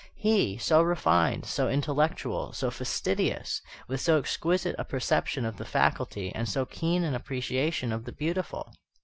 He, so refined, so intellectual, so fastidious, with so exquisite a perception of the faulty, and so keen an appreciation of the beautiful!